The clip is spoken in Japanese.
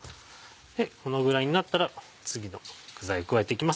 このぐらいになったら次の具材を加えていきます。